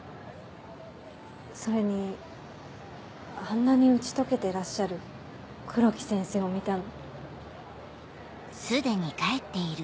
それにあんなに打ち解けてらっしゃる黒木先生を見たの。